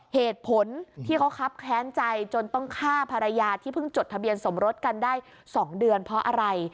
เหตุผลที่เขาครับแค้นใจจนต้องฆ่าภรรยาที่เพิ่งจดทะเบียนสมรสกันได้๒เดือนเพราะอะไร